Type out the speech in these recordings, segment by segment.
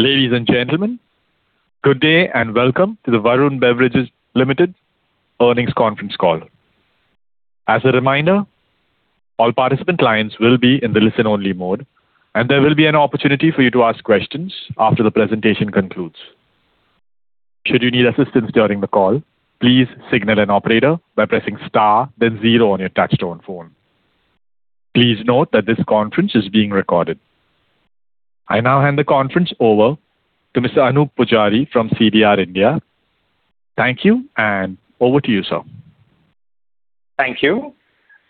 Ladies and gentlemen, good day and welcome to the Varun Beverages Limited Earnings Conference Call. As a reminder, all participant lines will be in the listen-only mode, there will be an opportunity for you to ask questions after the presentation concludes. Should you need assistance during the call, please signal an operator by pressing star then zero on your touch-tone phone. Please note that this conference is being recorded. I now hand the conference over to Mr. Anoop Poojari from CDR India. Thank you, and over to you, sir. Thank you.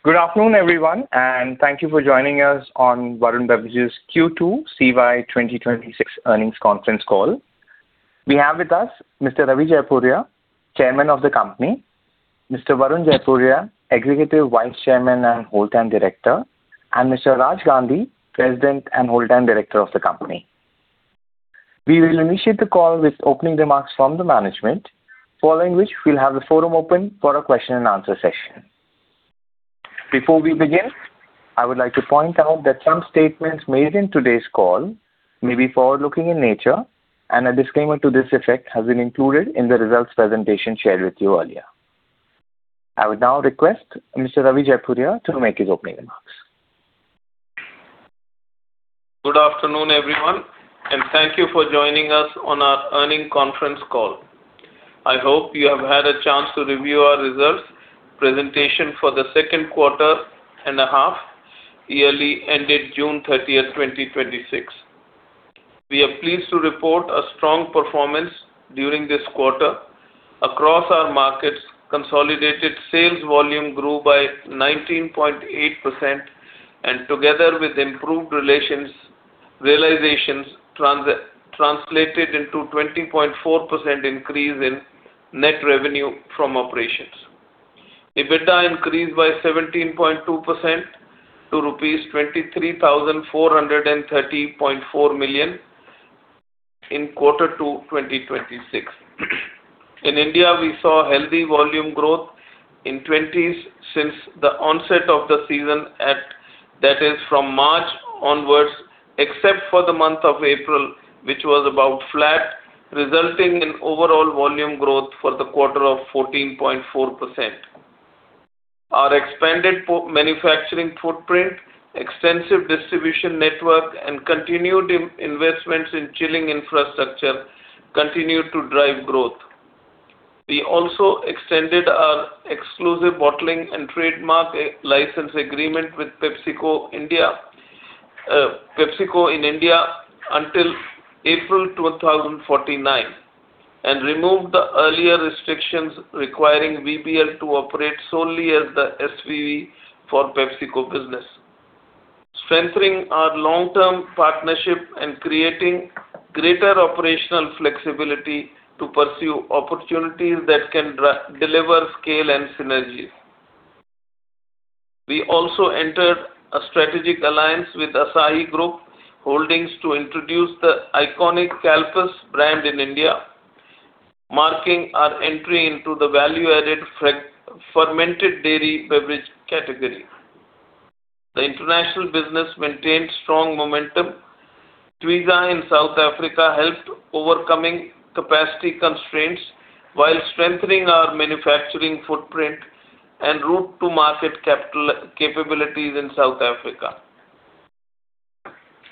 Good afternoon, everyone, and thank you for joining us on Varun Beverages Q2 CY 2026 earnings conference call. We have with us Mr. Ravi Jaipuria, Chairman of the company, Mr. Varun Jaipuria, Executive Vice Chairman and Whole-Time Director, and Mr. Raj Gandhi, President and Whole-Time Director of the company. We will initiate the call with opening remarks from the management, following which we'll have the forum open for a question and answer session. Before we begin, I would like to point out that some statements made in today's call may be forward-looking in nature, and a disclaimer to this effect has been included in the results presentation shared with you earlier. I would now request Mr. Ravi Jaipuria to make his opening remarks. Good afternoon, everyone, and thank you for joining us on our earning conference call. I hope you have had a chance to review our results presentation for the second quarter and a half yearly ended June 30th, 2026. We are pleased to report a strong performance during this quarter. Across our markets, consolidated sales volume grew by 19.8%, and together with improved realizations translated into 20.4% increase in net revenue from operations. EBITDA increased by 17.2% to INR 23,430.4 million in quarter two 2026. In India, we saw healthy volume growth in 20s since the onset of the season, that is from March onwards, except for the month of April, which was about flat, resulting in overall volume growth for the quarter of 14.4%. Our expanded manufacturing footprint, extensive distribution network, and continued investments in chilling infrastructure continue to drive growth. We also extended our exclusive bottling and trademark license agreement with PepsiCo in India until April 2049. This removed the earlier restrictions requiring VBL to operate solely as the SPV for PepsiCo business, strengthening our long-term partnership and creating greater operational flexibility to pursue opportunities that can deliver scale and synergies. We also entered a strategic alliance with Asahi Group Holdings to introduce the iconic CALPIS brand in India, marking our entry into the value-added fermented dairy beverage category. The international business maintained strong momentum. Twizza in South Africa helped overcoming capacity constraints while strengthening our manufacturing footprint and route to market capabilities in South Africa.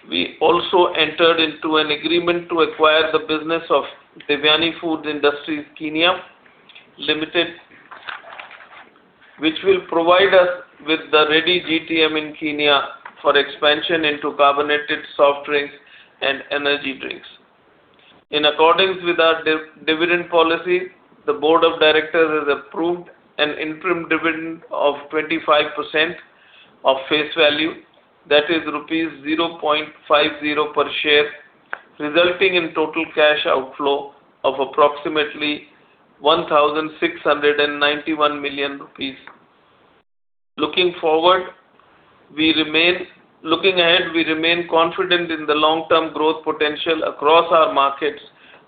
We also entered into an agreement to acquire the business of Devyani Food Industries (Kenya) Limited, which will provide us with the ready GTM in Kenya for expansion into carbonated soft drinks and energy drinks. In accordance with our dividend policy, the Board of Directors has approved an interim dividend of 25% of face value, that is rupees 0.50 per share, resulting in total cash outflow of approximately 1,691 million rupees. Looking ahead, we remain confident in the long-term growth potential across our markets,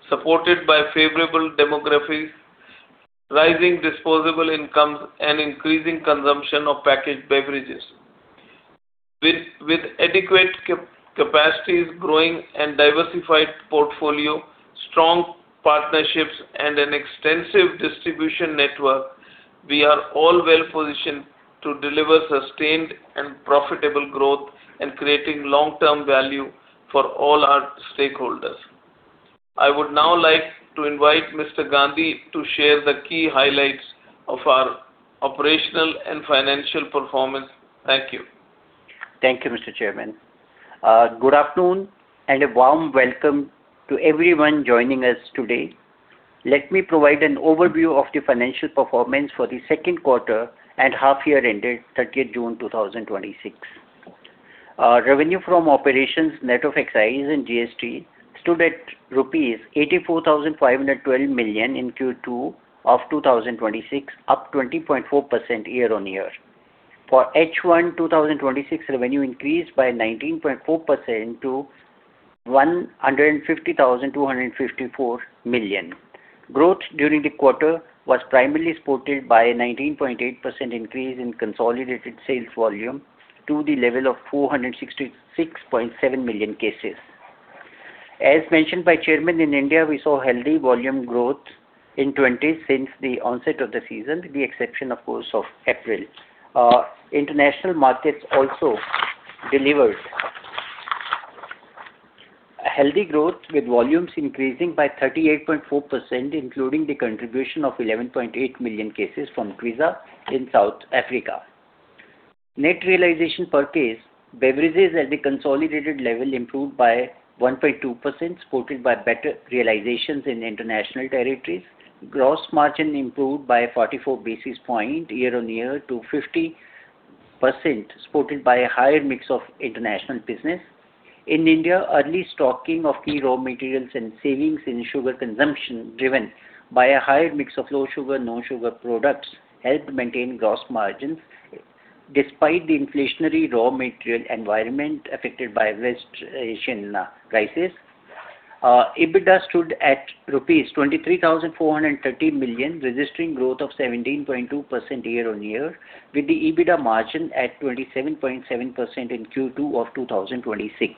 supported by favorable demography, rising disposable incomes, and increasing consumption of packaged beverages. With adequate capacities, growing and diversified portfolio, strong partnerships, and an extensive distribution network, we are all well-positioned to deliver sustained and profitable growth and creating long-term value for all our stakeholders. I would now like to invite Mr. Gandhi to share the key highlights of our operational and financial performance. Thank you. Thank you, Mr. Chairman. Good afternoon and a warm welcome to everyone joining us today. Let me provide an overview of the financial performance for the second quarter and half year ended 30th June 2026. Revenue from operations net of excise and GST stood at rupees 84,512 million in Q2 of 2026, up 20.4% year-on-year. For H1 2026, revenue increased by 19.4% to 150,254 million. Growth during the quarter was primarily supported by a 19.8% increase in consolidated sales volume to the level of 466.7 million cases. As mentioned by Chairman, in India, we saw healthy volume growth in 2026 since the onset of the season, with the exception, of course, of April. International markets also delivered a healthy growth, with volumes increasing by 38.4%, including the contribution of 11.8 million cases from Twizza in South Africa. Net realization per case, beverages at the consolidated level improved by 1.2%, supported by better realizations in international territories. Gross margin improved by 44 basis points year-on-year to 50%, supported by a higher mix of international business. In India, early stocking of key raw materials and savings in sugar consumption, driven by a higher mix of low-sugar, no-sugar products helped maintain gross margins despite the inflationary raw material environment affected by West Asian crisis. EBITDA stood at INR 23,430 million, registering growth of 17.2% year-on-year, with the EBITDA margin at 27.7% in Q2 of 2026.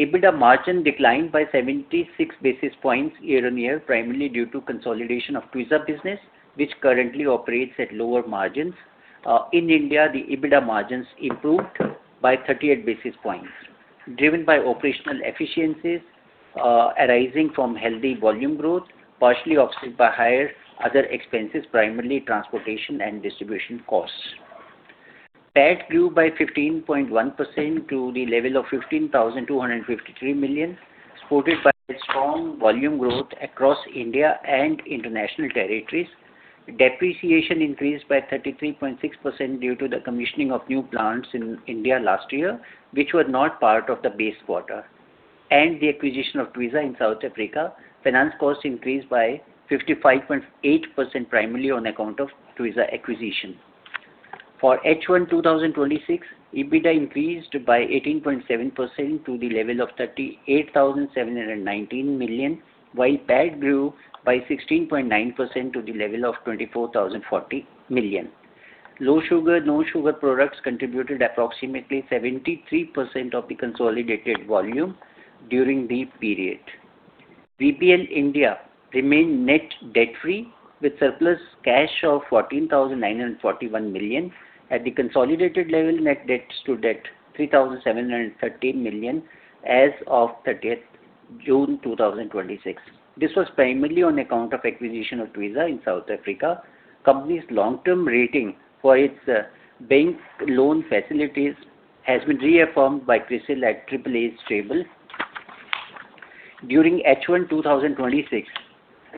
EBITDA margin declined by 76 basis points year-on-year, primarily due to consolidation of Twizza business, which currently operates at lower margins. In India, the EBITDA margins improved by 38 basis points, driven by operational efficiencies arising from healthy volume growth, partially offset by higher other expenses, primarily transportation and distribution costs. PAT grew by 15.1% to the level of 15,253 million, supported by strong volume growth across India and international territories. Depreciation increased by 33.6% due to the commissioning of new plants in India last year, which were not part of the base quarter, and the acquisition of Twizza in South Africa. Finance costs increased by 55.8%, primarily on account of Twizza acquisition. For H1 2026, EBITDA increased by 18.7% to the level of 38,719 million, while PAT grew by 16.9% to the level of 24,040 million. Low-sugar, no-sugar products contributed approximately 73% of the consolidated volume during the period. VBL India remained net debt-free, with surplus cash of 14,941 million. At the consolidated level, net debt stood at 3,713 million as of June 30, 2026. This was primarily on account of acquisition of Twizza in South Africa. Company's long-term rating for its bank loan facilities has been reaffirmed by CRISIL at AAA/Stable. During H1 2026,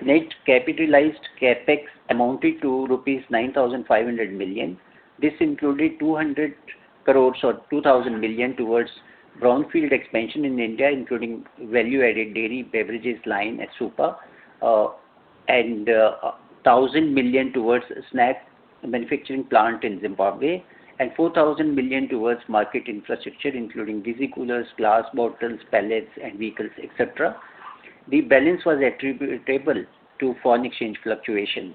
net capitalized CapEx amounted to rupees 9,500 million. This included 2,000 million towards brownfield expansion in India, including value-added dairy beverages line at Supa, and 1,000 million towards a snack manufacturing plant in Zimbabwe, and 4,000 million towards market infrastructure including DC coolers, glass bottles, pallets and vehicles, et cetera. The balance was attributable to foreign exchange fluctuations.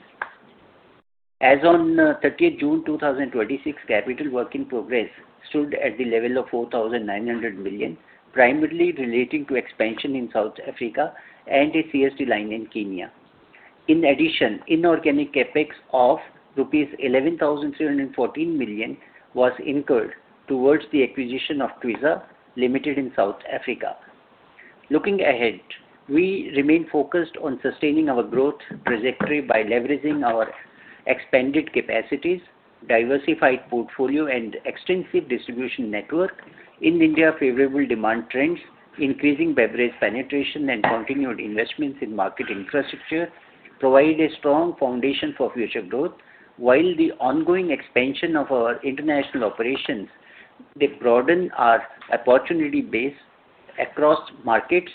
As of June 30, 2026, capital work in progress stood at the level of 4,900 million, primarily relating to expansion in South Africa and a CSD line in Kenya. In addition, inorganic CapEx of rupees 11,314 million was incurred towards the acquisition of Twizza Limited in South Africa. Looking ahead, we remain focused on sustaining our growth trajectory by leveraging our expanded capacities, diversified portfolio, and extensive distribution network. In India, favorable demand trends, increasing beverage penetration, and continued investments in market infrastructure provide a strong foundation for future growth. While the ongoing expansion of our international operations, they broaden our opportunity base across markets.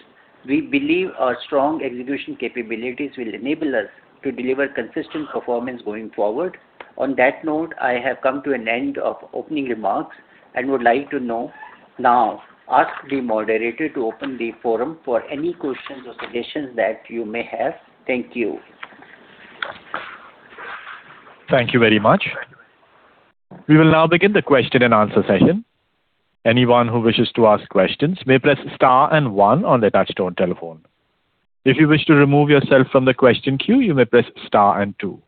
We believe our strong execution capabilities will enable us to deliver consistent performance going forward. On that note, I have come to an end of opening remarks and would like to now ask the moderator to open the forum for any questions or suggestions that you may have. Thank you. Thank you very much. We will now begin the question and answer session. Anyone who wishes to ask questions may press star and one on their touchtone telephone. If you wish to remove yourself from the question queue, you may press star and two.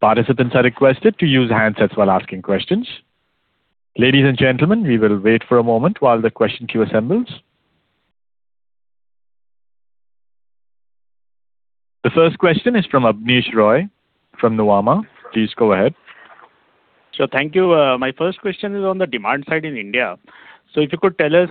Participants are requested to use handsets while asking questions. Ladies and gentlemen, we will wait for a moment while the question queue assembles. The first question is from Abneesh Roy, from Nuvama. Please go ahead. Thank you. My first question is on the demand side in India. If you could tell us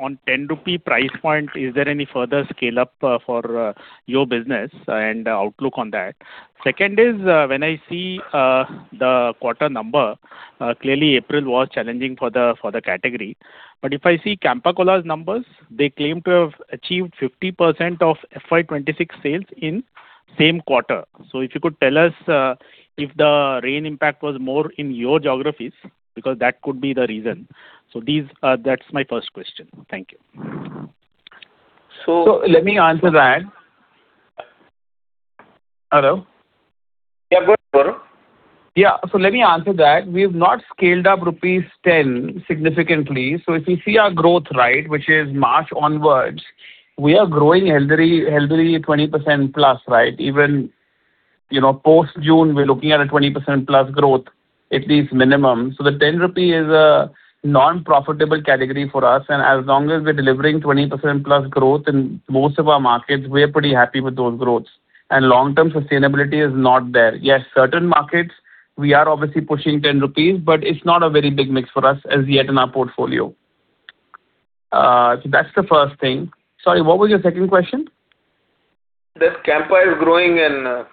on 10 rupee price point, is there any further scale-up for your business and outlook on that? Second is, when I see the quarter number, clearly April was challenging for the category. If I see Campa Cola's numbers, they claim to have achieved 50% of FY 2026 sales in same quarter. If you could tell us if the rain impact was more in your geographies, because that could be the reason. That's my first question. Thank you. Let me answer that. Hello? Yeah. Go ahead, Varun. Yeah. Let me answer that. We have not scaled up rupees 10 significantly. If you see our growth, which is March onwards, we are growing a healthy 20%+. Even post-June, we're looking at a 20%+ growth, at least minimum. The 10 rupee is a non-profitable category for us, and as long as we're delivering 20%+ growth in most of our markets, we are pretty happy with those growths. Long-term sustainability is not there. Yes, certain markets, we are obviously pushing 10 rupees, but it's not a very big mix for us as yet in our portfolio. That's the first thing. Sorry, what was your second question? That Campa is growing in?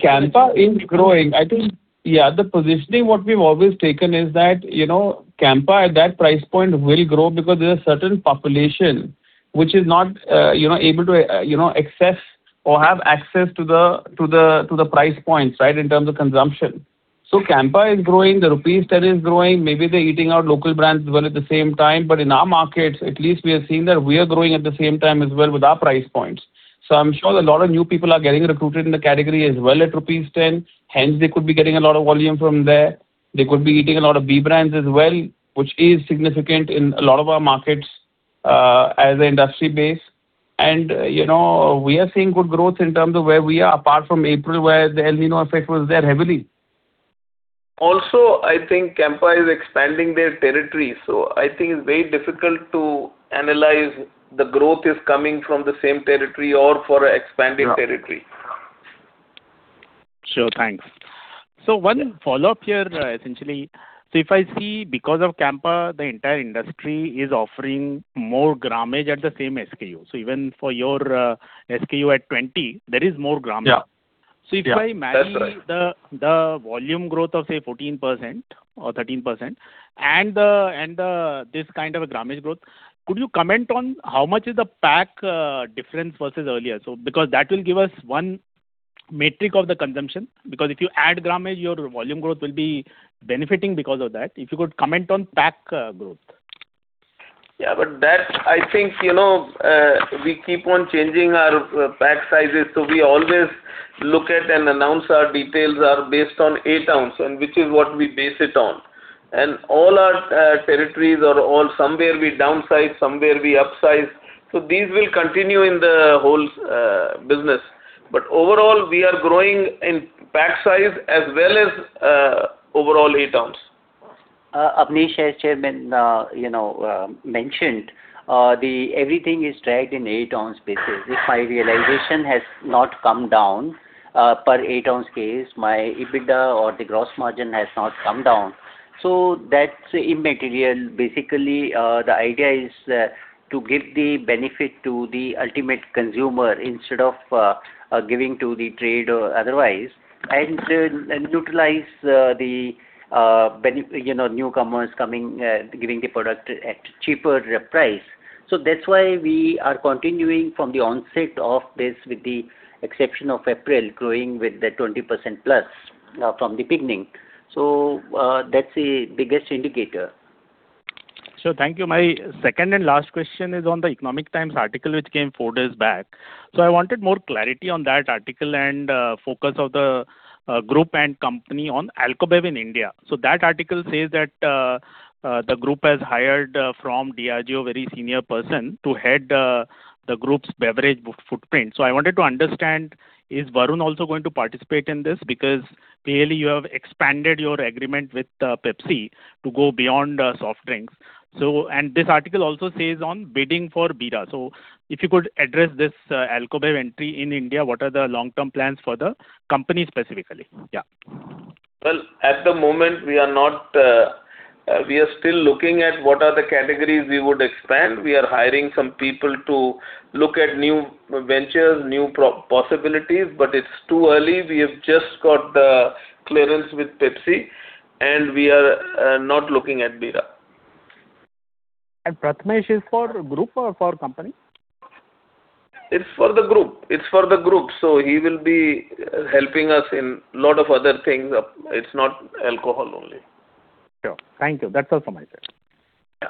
Campa is growing. I think, yeah, the positioning what we've always taken is that Campa at that price point will grow because there's a certain population which is not able to access or have access to the price points, in terms of consumption. Campa is growing, the rupees 10 is growing. Maybe they're eating our local brands as well at the same time, but in our markets at least, we are seeing that we are growing at the same time as well with our price points. I'm sure a lot of new people are getting recruited in the category as well at rupees 10, hence they could be getting a lot of volume from there. They could be eating a lot of B brands as well, which is significant in a lot of our markets, as an industry base. We are seeing good growth in terms of where we are, apart from April, where the El Niño effect was there heavily. I think Campa is expanding their territory, I think it's very difficult to analyze the growth is coming from the same territory or for expanding territory. Sure. Thanks. One follow-up here, essentially. If I see, because of Campa, the entire industry is offering more grammage at the same SKU. Even for your SKU at 20, there is more grammage. Yeah. That's right. If I marry the volume growth of, say, 14% or 13%, and this kind of a grammage growth, could you comment on how much is the pack difference versus earlier? Because that will give us one metric of the consumption, because if you add grammage, your volume growth will be benefiting because of that. If you could comment on pack growth. Yeah. That, I think, we keep on changing our pack sizes, so we always look at and announce our details are based on 8 oz, and which is what we base it on. All our territories are all somewhere we downsize, somewhere we upsize. These will continue in the whole business. Overall, we are growing in pack size as well as overall 8 oz. Abneesh, as Chairman mentioned, everything is tracked in 8 oz basis. If my realization has not come down per 8 oz case, my EBITDA or the gross margin has not come down. That's immaterial. Basically, the idea is to give the benefit to the ultimate consumer instead of giving to the trade or otherwise, and utilize the newcomers giving the product at cheaper price. That's why we are continuing from the onset of this, with the exception of April, growing with the 20%+ from the beginning. That's the biggest indicator. Thank you. My second and last question is on The Economic Times article which came four days back. I wanted more clarity on that article and focus of the group and company on alcobev in India. That article says that the group has hired from Diageo, a very senior person to head the group's beverage footprint. I wanted to understand, is Varun also going to participate in this? Because clearly you have expanded your agreement with Pepsi to go beyond soft drinks. This article also says on bidding for Bira. If you could address this alcobev entry in India, what are the long-term plans for the company specifically? Well, at the moment, we are still looking at what are the categories we would expand. We are hiring some people to look at new ventures, new possibilities, but it's too early. We have just got the clearance with Pepsi, we are not looking at Bira. Prathmesh is for group or for company? It's for the group. He will be helping us in lot of other things. It's not alcohol only. Sure. Thank you. That's all from my side. Yeah.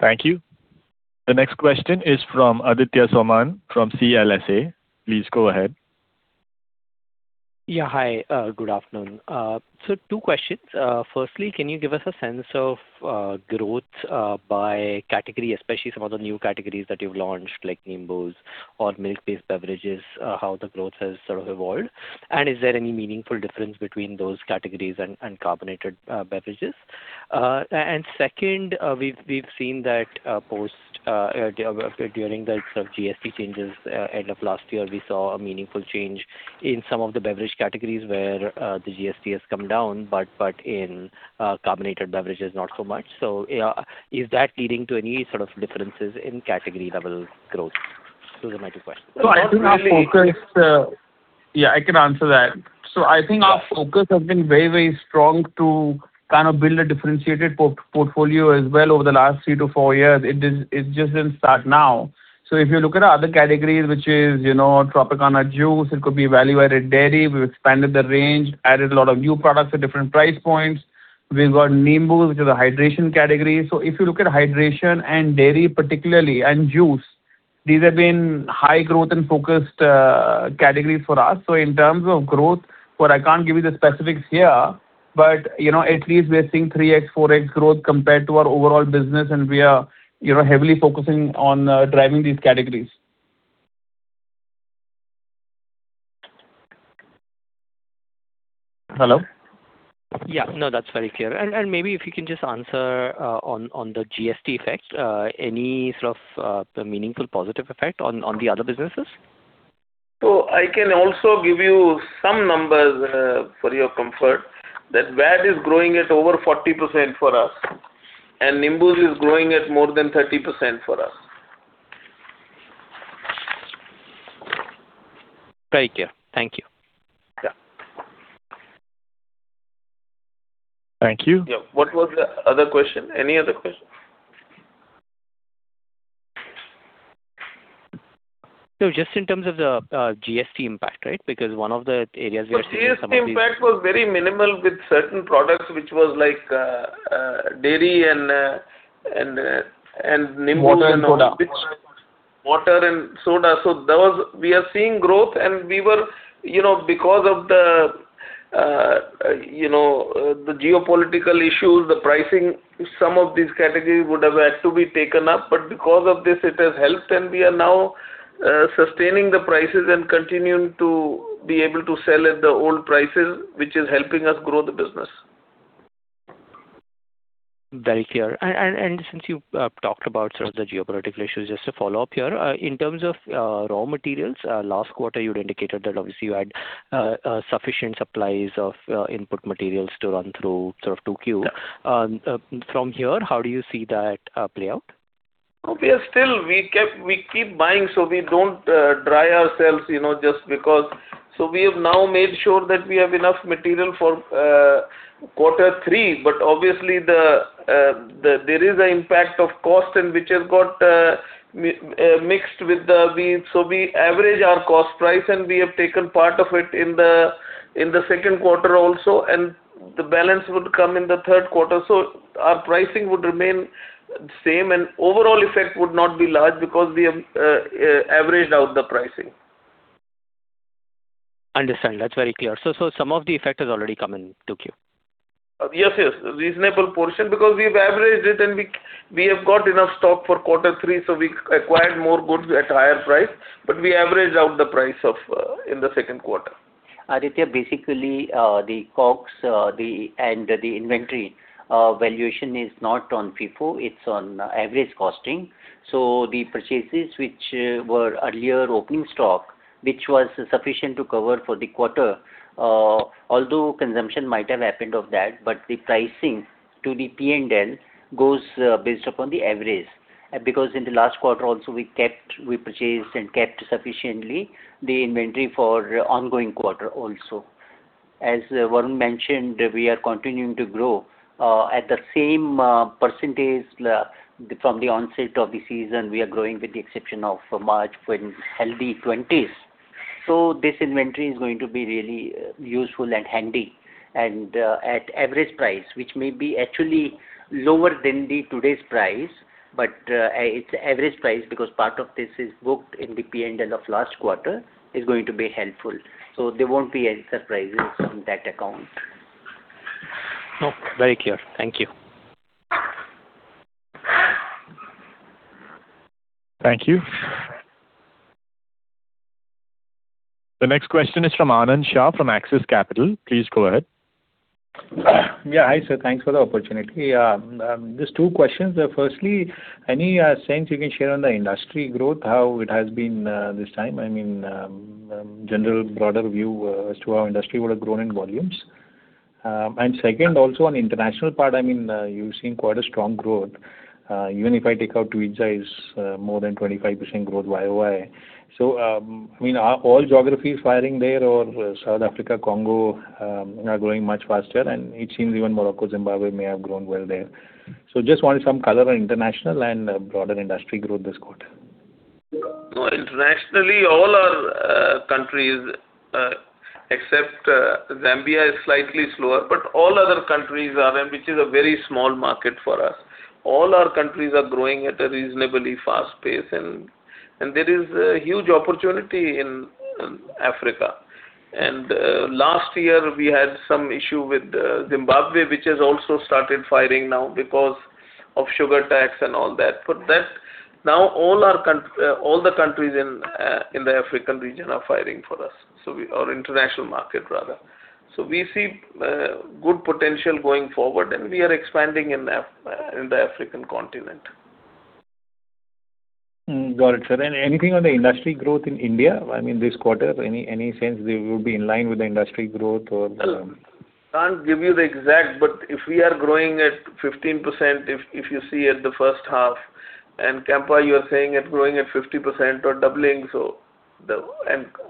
Thank you. The next question is from Aditya Soman from CLSA. Please go ahead. Yeah. Hi. Good afternoon. Two questions. Firstly, can you give us a sense of growth by category, especially some of the new categories that you've launched, like Nimbooz or milk-based beverages, how the growth has sort of evolved, and is there any meaningful difference between those categories and carbonated beverages? Second, we've seen that during the GST changes end of last year, we saw a meaningful change in some of the beverage categories where the GST has come down, but in carbonated beverages, not so much. Is that leading to any sort of differences in category-level growth? Those are my two questions. Yeah, I can answer that. I think our focus has been very strong to kind of build a differentiated portfolio as well over the last three to four years. It did not just start now. If you look at our other categories, which is Tropicana, it could be value-added dairy. We have expanded the range, added a lot of new products at different price points. We have got Nimbooz, which is a hydration category. If you look at hydration and dairy particularly, and juice, these have been high growth and focused categories for us. In terms of growth, but I cannot give you the specifics here, but at least we are seeing 3x, 4x growth compared to our overall business, and we are heavily focusing on driving these categories. Hello? Yeah, no, that is very clear. Maybe if you can just answer on the GST effect, any sort of meaningful positive effect on the other businesses? I can also give you some numbers for your comfort, that VAD is growing at over 40% for us, and Nimbooz is growing at more than 30% for us. Very clear. Thank you. Yeah. Thank you. Yeah. What was the other question? Any other question? No, just in terms of the GST impact, right. GST impact was very minimal with certain products, which was like dairy and Nimbooz. Water and soda. Water and soda. We are seeing growth because of the geopolitical issues, the pricing, some of these categories would have had to be taken up. Because of this, it has helped, and we are now sustaining the prices and continuing to be able to sell at the old prices, which is helping us grow the business. Very clear. Since you've talked about sort of the geopolitical issues, just to follow up here. In terms of raw materials, last quarter you had indicated that obviously you had sufficient supplies of input materials to run through sort of 2Q. From here, how do you see that play out? We keep buying, we don't dry ourselves just because. We have now made sure that we have enough material for quarter three, but obviously there is an impact of cost, which has got mixed with the We average our cost price, and we have taken part of it in the second quarter also, and the balance would come in the third quarter. Our pricing would remain the same, and overall effect would not be large because we have averaged out the pricing. Understood. That's very clear. Some of the effect has already come in 2Q. Yes. A reasonable portion, because we've averaged it and we have got enough stock for quarter three. We acquired more goods at a higher price. We averaged out the price in the second quarter. Aditya, basically, the COGS and the inventory valuation is not on FIFO, it's on average costing. The purchases which were earlier opening stock, which was sufficient to cover for the quarter, although consumption might have happened of that, but the pricing to the P&L goes based upon the average. In the last quarter also, we purchased and kept sufficiently the inventory for ongoing quarter also. As Varun mentioned, we are continuing to grow, at the same percentage from the onset of the season, we are growing with the exception of March, with healthy twenties. This inventory is going to be really useful and handy, and at average price, which may be actually lower than the today's price. It's average price because part of this is booked in the P&L of last quarter, is going to be helpful. There won't be any surprises on that account. No, very clear. Thank you. Thank you. The next question is from Anand Shah, from Axis Capital. Please go ahead. Hi, sir. Thanks for the opportunity. Just two questions. Firstly, any sense you can share on the industry growth, how it has been this time? I mean, general broader view as to how industry would have grown in volumes. Second, also on international part, you've seen quite a strong growth. Even if I take out Twizza, it's more than 25% growth YoY. Are all geographies firing there or South Africa, Congo are growing much faster, and it seems even Morocco, Zimbabwe may have grown well there. Just wanted some color on international and broader industry growth this quarter. Internationally, all our countries except Zambia is slightly slower, but all other countries are, and which is a very small market for us. All our countries are growing at a reasonably fast pace, and there is a huge opportunity in Africa. Last year, we had some issue with Zimbabwe, which has also started firing now because of sugar tax and all that. Now all the countries in the African region are firing for us. Our international market, rather. We see good potential going forward, and we are expanding in the African continent. Got it, sir. Anything on the industry growth in India? I mean, this quarter, any sense they would be in line with the industry growth or? Well, can't give you the exact, but if we are growing at 15%, if you see at the first half Campa, you are saying it growing at 50% or doubling.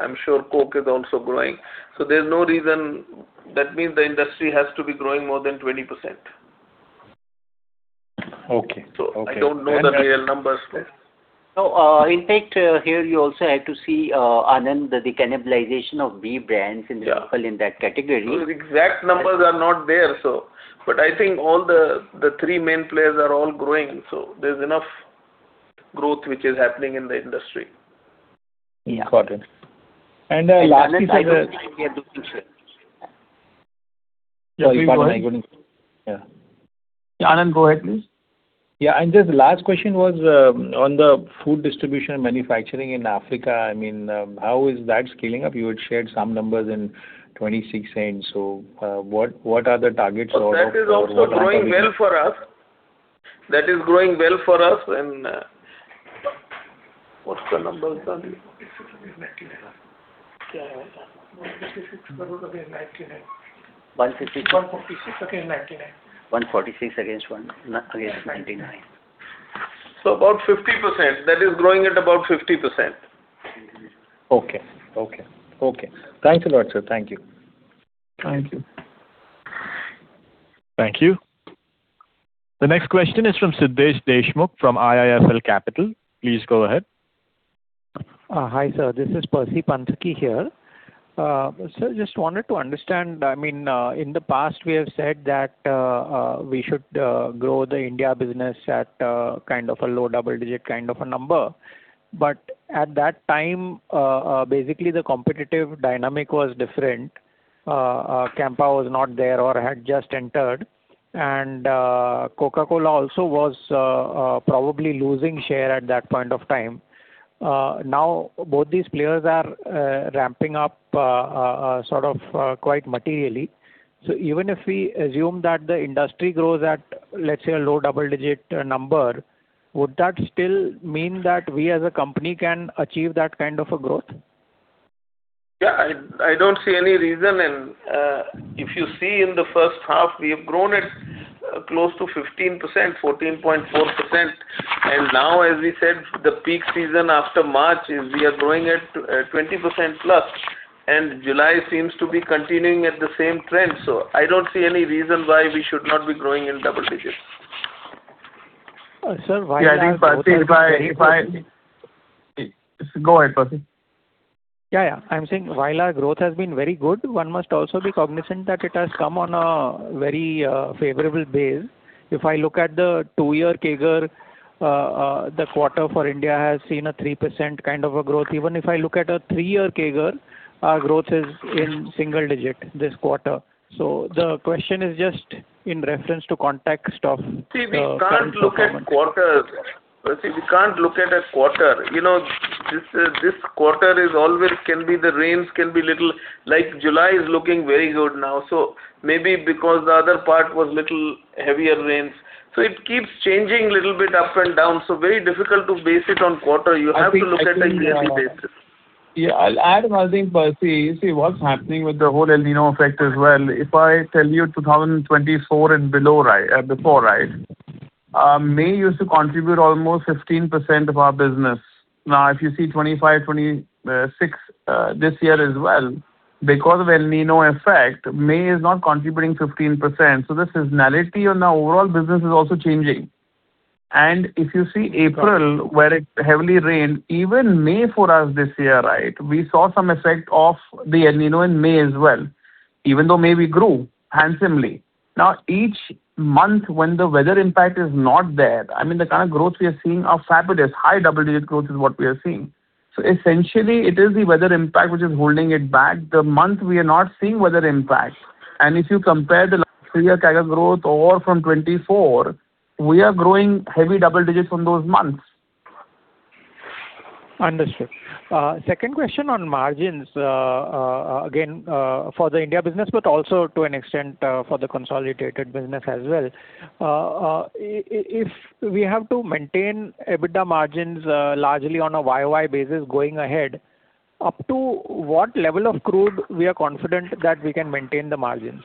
I'm sure Coke is also growing. There's no reason, that means the industry has to be growing more than 20%. Okay. I don't know the real numbers. In fact, here you also have to see, Anand, the cannibalization of B brands in local in that category. Those exact numbers are not there. I think all the three main players are all growing, so there's enough growth which is happening in the industry. Yeah. Got it. Lastly. Anand, I think we are looking for. Sorry, go ahead. Pardon, I couldn't. Yeah. Anand, go ahead, please. Yeah. Just last question was on the food distribution and manufacturing in Africa. How is that scaling up? You had shared some numbers in 0.26. What are the targets? That is also growing well for us. That is growing well for us. What's the numbers, Gandhi? INR 146 against INR 99. INR 146 against INR 99. About 50%. That is growing at about 50%. Okay. Thank you a lot, sir. Thank you. Thank you. Thank you. The next question is from Siddhesh Deshmukh from IIFL Capital. Please go ahead. Hi, sir. This is Percy Panthaki here. Sir, just wanted to understand, in the past, we have said that we should grow the India business at kind of a low double-digit kind of a number. At that time, basically, the competitive dynamic was different. Campa was not there or had just entered. Coca-Cola also was probably losing share at that point of time. Even if we assume that the industry grows at, let's say, a low double-digit number, would that still mean that we as a company can achieve that kind of a growth? I don't see any reason. If you see in the first half, we have grown at close to 15%, 14.4%. Now, as we said, the peak season after March, we are growing at 20%+, and July seems to be continuing at the same trend. I don't see any reason why we should not be growing in double digits. Sir, while our growth has been very good. I think, Percy. Go ahead, Percy. I'm saying while our growth has been very good, one must also be cognizant that it has come on a very favorable base. If I look at the two-year CAGR, the quarter for India has seen a 3% kind of a growth. Even if I look at a three-year CAGR, our growth is in single digit this quarter. The question is just in reference to context of current performance. We can't look at quarters. We can't look at a quarter. This quarter can always be the rains, can be little. July is looking very good now. Maybe because the other part was little heavier rains. It keeps changing little bit up and down. Very difficult to base it on quarter. You have to look at a yearly basis. I'll add one thing, Percy. What's happening with the whole El Niño effect as well. If I tell you 2024 and before, May used to contribute almost 15% of our business. If you see 2025, 2026 this year as well, because of El Niño effect, May is not contributing 15%. The seasonality on the overall business is also changing. If you see April, where it heavily rained, even May for us this year, we saw some effect of the El Niño in May as well, even though May we grew handsomely. Each month when the weather impact is not there, the kind of growth we are seeing are fabulous. High double-digit growth is what we are seeing. Essentially, it is the weather impact which is holding it back. The month we are not seeing weather impact, if you compare the last three-year CAGR growth or from 2024, we are growing heavy double digits on those months. Understood. Second question on margins, again, for the India business, also to an extent for the consolidated business as well. If we have to maintain EBITDA margins largely on a year-over-year basis going ahead, up to what level of crude we are confident that we can maintain the margins?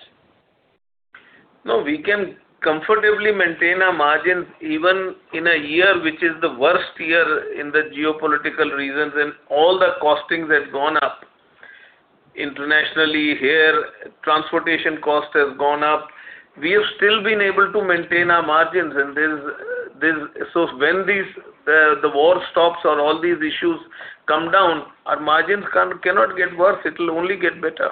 We can comfortably maintain our margins even in a year which is the worst year in the geopolitical reasons and all the costings have gone up internationally here, transportation cost has gone up. We have still been able to maintain our margins. When the war stops or all these issues come down, our margins cannot get worse. It'll only get better.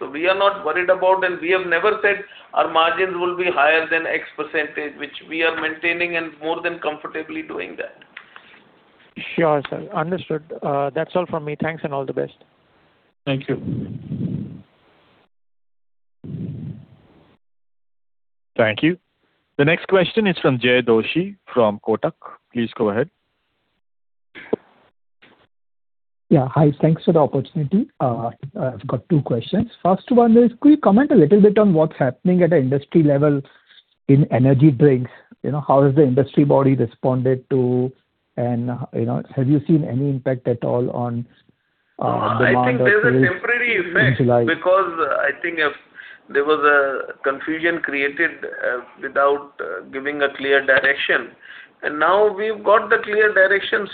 We are not worried about, and we have never said our margins will be higher than X percentage, which we are maintaining and more than comfortably doing that. Sure, sir. Understood. That's all from me. Thanks. All the best. Thank you. Thank you. The next question is from Jay Doshi from Kotak. Please go ahead. Yeah. Hi. Thanks for the opportunity. I've got two questions. First one is, could you comment a little bit on what's happening at the industry level in energy drinks? How has the industry body responded to and have you seen any impact at all on? No, I think there's a temporary effect because I think there was a confusion created without giving a clear direction, and now we've got the clear direction.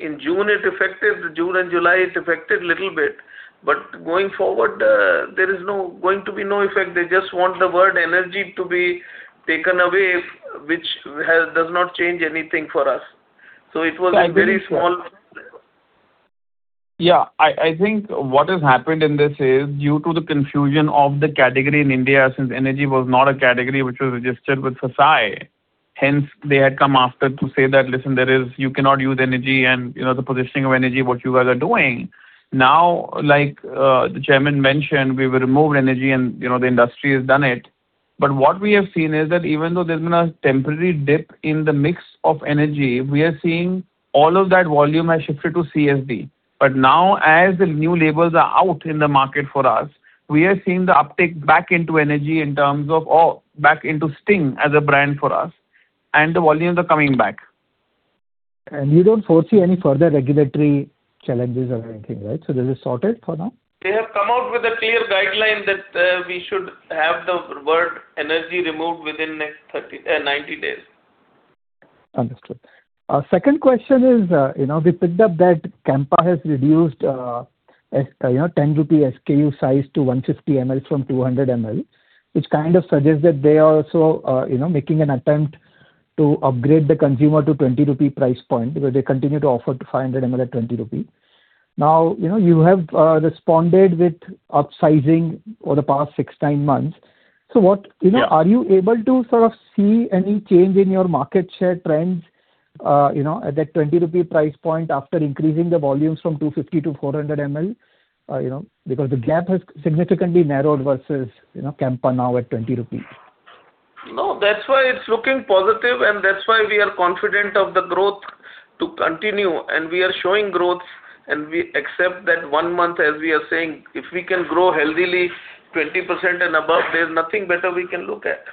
In June and July, it affected a little bit, but going forward, there is going to be no effect. They just want the word energy to be taken away, which does not change anything for us. It was a very small. Yeah. I think what has happened in this is due to the confusion of the category in India, since energy was not a category which was registered with FSSAI, hence they had come after to say that, "Listen, you cannot use energy and the positioning of energy, what you guys are doing." Like the chairman mentioned, we've removed energy and the industry has done it. What we have seen is that even though there's been a temporary dip in the mix of energy, we are seeing all of that volume has shifted to CSD. Now, as the new labels are out in the market for us, we are seeing the uptake back into energy in terms of back into Sting as a brand for us, and the volumes are coming back. You don't foresee any further regulatory challenges or anything, right? This is sorted for now. They have come out with a clear guideline that we should have the word energy removed within next 90 days. Understood. Our second question is, we picked up that Campa has reduced 10 rupee SKU size to 150 ml from 200 ml, which kind of suggests that they are also making an attempt to upgrade the consumer to 20 rupee price point because they continue to offer 500 ml at 20 rupee. Now, you have responded with upsizing over the past six, nine months. Are you able to sort of see any change in your market share trends at that 20 rupee price point after increasing the volumes from 250 to 400 ml? The gap has significantly narrowed versus Campa now at 20 rupees. No, that's why it's looking positive, and that's why we are confident of the growth to continue, and we are showing growth, and we accept that one month, as we are saying, if we can grow healthily 20% and above, there's nothing better we can look at.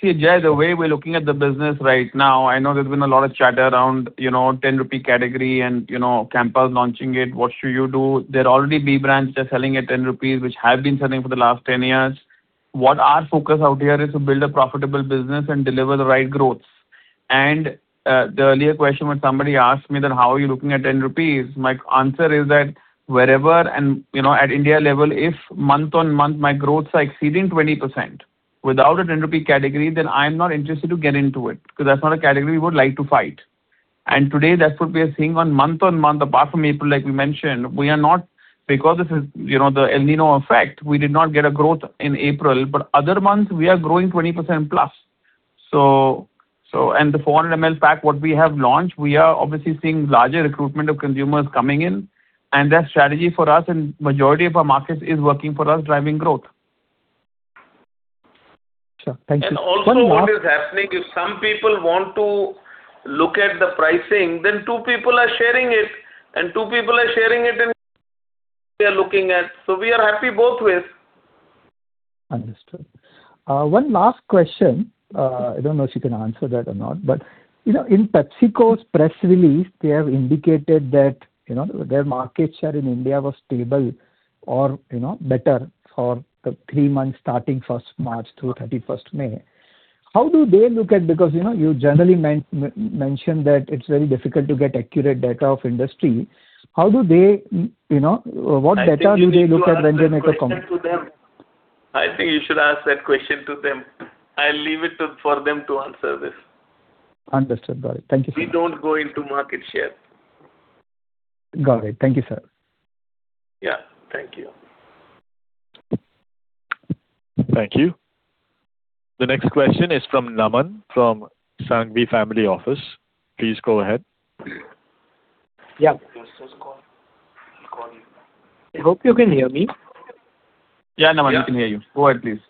See, Jay, the way we're looking at the business right now, I know there's been a lot of chatter around 10 rupee category and Campa's launching it. What should you do? There are already B brands that are selling at 10 rupees, which have been selling for the last 10 years. What our focus out here is to build a profitable business and deliver the right growth. The earlier question when somebody asked me that how are you looking at 10 rupees, my answer is that wherever, and at India level, if month-on-month my growths are exceeding 20% without a 10 rupee category, then I'm not interested to get into it because that's not a category we would like to fight. Today, that's what we are seeing on month-on-month. Apart from April, like we mentioned, because this is the El Niño effect, we did not get a growth in April, but other months we are growing 20%+. The 400 ml pack, what we have launched, we are obviously seeing larger recruitment of consumers coming in, and that strategy for us and majority of our markets is working for us, driving growth. Sure. Thank you. Also what is happening, if some people want to look at the pricing, then two people are sharing it. We are happy both ways. Understood. One last question. I don't know if you can answer that or not, but in PepsiCo's press release, they have indicated that their market share in India was stable or better for the three months starting 1st March through 31st May. How do they look at, because you generally mention that it's very difficult to get accurate data of industry. What data do they look at when they make a comment? I think you should ask that question to them. I'll leave it for them to answer this. Understood. Got it. Thank you. We don't go into market share. Got it. Thank you, sir. Yeah. Thank you. Thank you. The next question is from Naman from Sanghvi Family Office. Please go ahead. Yeah. I hope you can hear me. Yeah, Naman. We can hear you. Go ahead, please.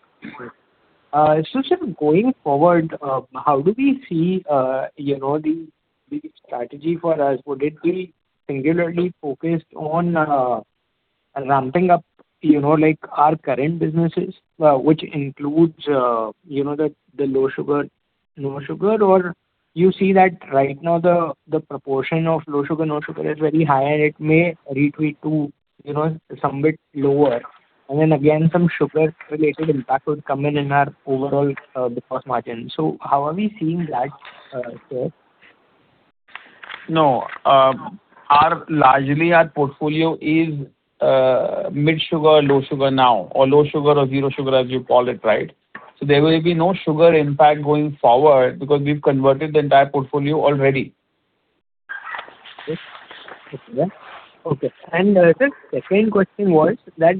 Sir, going forward, how do we see the strategy for us? Would it be singularly focused on ramping up our current businesses, which includes the low sugar, no sugar? You see that right now the proportion of low sugar, no sugar is very high, and it may retreat to somewhat lower, and then again, some sugar-related impact would come in in our overall gross margin. How are we seeing that, sir? No. Largely, our portfolio is mid-sugar, low sugar now, or low sugar or zero sugar as you call it, right? There will be no sugar impact going forward because we've converted the entire portfolio already. Okay. Sir, second question was that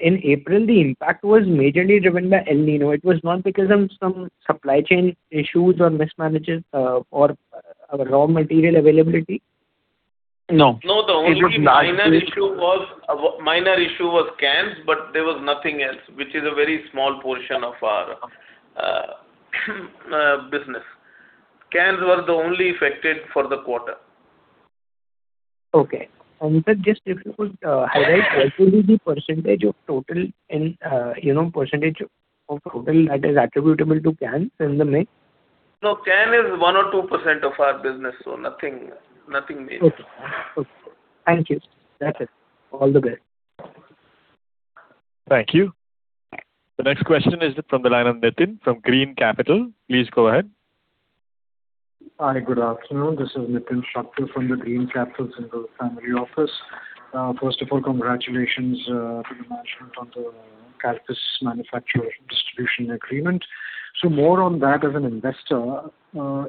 in April, the impact was majorly driven by El Niño. It was not because of some supply chain issues or raw material availability? No. No, the only minor issue was cans, there was nothing else, which is a very small portion of our business. Cans were the only affected for the quarter. Okay. Sir, just if you could highlight what will be the percentage of total percentage of total that is attributable to Can in the mix? No, Can is 1% or 2% of our business, nothing meaningful. Okay. Thank you. That's it. All the best. Thank you. The next question is from the line of Nitin from Green Capital. Please go ahead. Hi, good afternoon. This is Nitin Shakdher from the Green Capital Single Family Office. First of all, congratulations to the management on the CALPIS manufacture distribution agreement. More on that as an investor,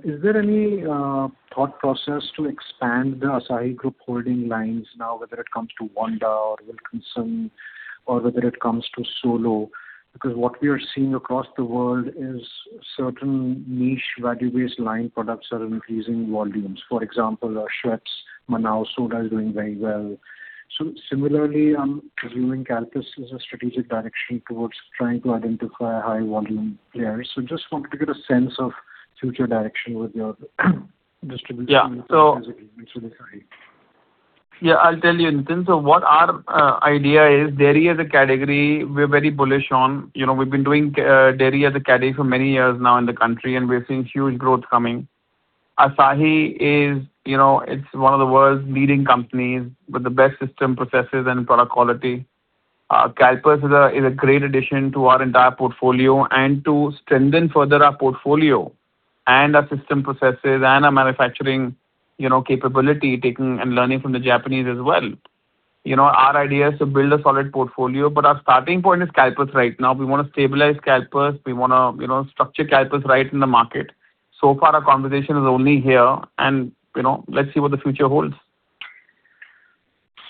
is there any thought process to expand the Asahi Group Holdings lines now, whether it comes to Wonda or Wilkinson or whether it comes to Solo? Because what we are seeing across the world is certain niche value-based line products are increasing volumes. For example, Schweppes Manao Soda is doing very well. Similarly, I'm assuming CALPIS is a strategic direction towards trying to identify high volume players. Just wanted to get a sense of future direction with your distribution as it relates to the Asahi. I'll tell you, Nitin. What our idea is, dairy as a category, we're very bullish on. We've been doing dairy as a category for many years now in the country, and we're seeing huge growth coming. Asahi is one of the world's leading companies with the best system processes and product quality. CALPIS is a great addition to our entire portfolio and to strengthen further our portfolio and our system processes and our manufacturing capability, taking and learning from the Japanese as well. Our idea is to build a solid portfolio, our starting point is CALPIS right now. We want to stabilize CALPIS. We want to structure CALPIS right in the market. So far, our conversation is only here let's see what the future holds.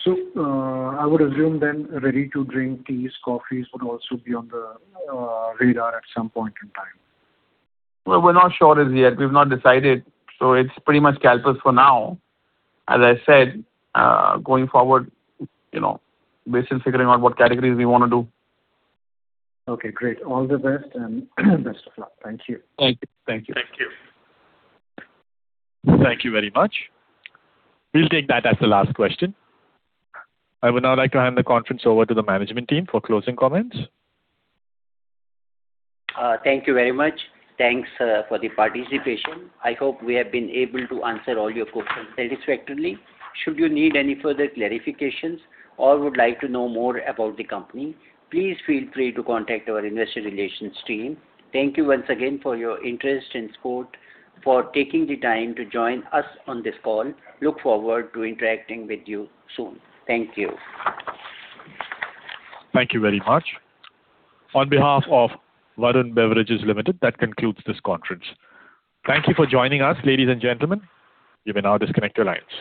I would assume then ready-to-drink teas, coffees would also be on the radar at some point in time. Well, we're not sure as yet. We've not decided, it's pretty much CALPIS for now. As I said, going forward, based on figuring out what categories we want to do. Okay, great. All the best and best of luck. Thank you. Thank you. Thank you. Thank you very much. We'll take that as the last question. I would now like to hand the conference over to the management team for closing comments. Thank you very much. Thanks for the participation. I hope we have been able to answer all your questions satisfactorily. Should you need any further clarifications or would like to know more about the company, please feel free to contact our investor relations team. Thank you once again for your interest and support for taking the time to join us on this call. Look forward to interacting with you soon. Thank you. Thank you very much. On behalf of Varun Beverages Limited, that concludes this conference. Thank you for joining us, ladies and gentlemen. You may now disconnect your lines.